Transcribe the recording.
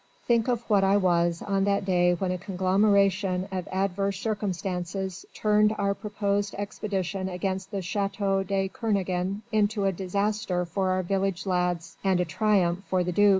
Think of what I was on that day when a conglomeration of adverse circumstances turned our proposed expedition against the château de Kernogan into a disaster for our village lads, and a triumph for the duc.